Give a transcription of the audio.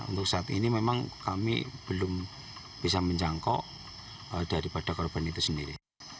untuk saat ini memang kami belum bisa menjangkau daripada korban itu sendiri